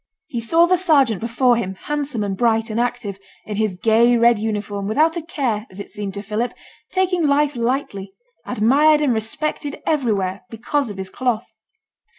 He saw the sergeant before him, handsome, and bright, and active, in his gay red uniform, without a care, as it seemed to Philip, taking life lightly; admired and respected everywhere because of his cloth.